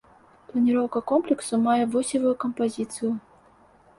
Планіроўка комплексу мае восевую кампазіцыю.